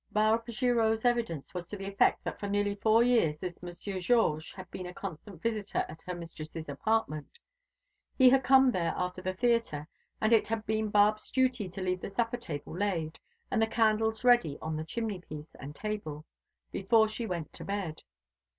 Barbe Girot's evidence was to the effect that for nearly four years this Monsieur Georges had been a constant visitor at her mistress's apartment. He had come there after the theatre, and it had been Barbe's duty to leave the supper table laid, and the candles ready on the chimney piece and table, before she went to bed.